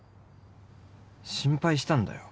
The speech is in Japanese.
心配したんだよ。